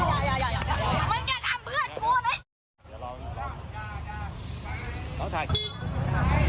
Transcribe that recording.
มึงอย่าทำเพื่อนกวนไอ้